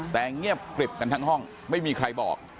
แต่เงียบกริบกันทั้งห้องไม่มีใครบอก